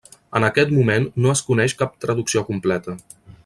En aquest moment no es coneix cap traducció completa.